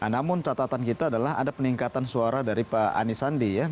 namun catatan kita adalah ada peningkatan suara dari pak anies sandi ya